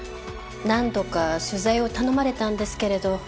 何度か取材を頼まれたんですけれど。